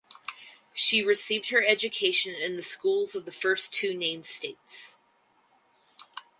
She received her education in the schools of the first two named States.